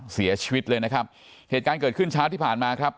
เสียชีวิตเลยนะครับเหตุการณ์เกิดขึ้นเช้าที่ผ่านมาครับ